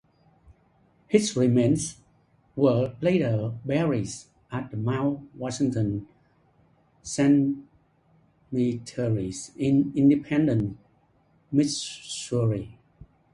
His remains were later buried at Mount Washington Cemetery in Independence, Missouri.